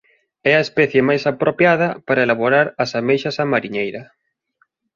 É a especie máis apropiada para elaborar as ameixas á mariñeira.